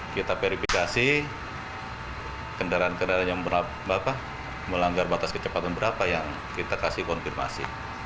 kita verifikasi kendaraan kendaraan yang melanggar batas kecepatan berapa yang kita kasih konfirmasi